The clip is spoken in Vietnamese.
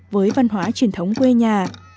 với văn hóa truyền thống quê nhà